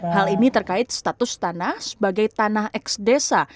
hal ini terkait status tanah sebagai tanah eks desa